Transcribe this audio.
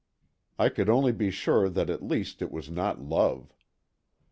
I could only be sure that at least it was not love.